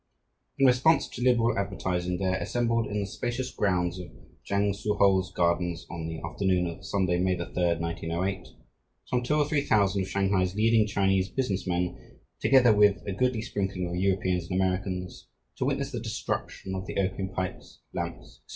In response to liberal advertising there assembled in the spacious grounds of Chang Su Ho's Gardens, on the afternoon of Sunday, May 3, 1908, some two or three thousand of Shanghai's leading Chinese business men, together with a goodly sprinkling of Europeans and Americans, to witness the destruction of the opium pipes, lamps, etc.